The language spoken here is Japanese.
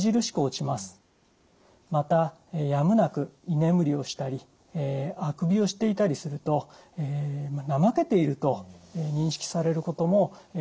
またやむなく居眠りをしたりあくびをしていたりすると怠けていると認識されることも多いのではないでしょうか。